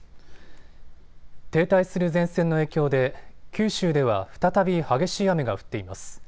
停滞する前線の影響で九州では再び激しい雨が降っています。